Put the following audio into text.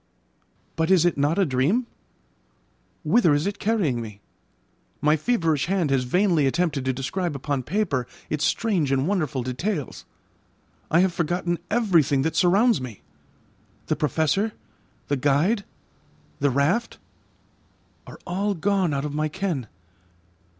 But is it not a dream? Whither is it carrying me? My feverish hand has vainly attempted to describe upon paper its strange and wonderful details. I have forgotten everything that surrounds me. The Professor, the guide, the raft are all gone out of my ken.